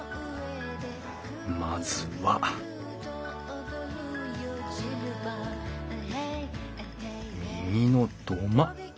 まずは右の土間。